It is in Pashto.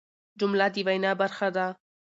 جمله د وینا برخه ده.